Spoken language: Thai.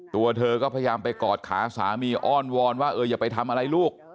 ตัวเธอก็พยายามไปกอดขาสามีอ้อนวอนว่าเอออย่าไปทำอะไรลูก